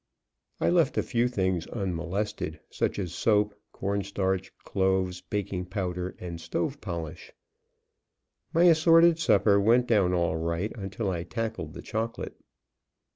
I left a few things unmolested; such as soap, cornstarch, cloves, baking powder and stove polish. My assorted supper went down all right until I tackled the chocolate.